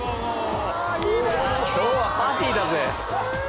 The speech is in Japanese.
今日はパーティーだぜ！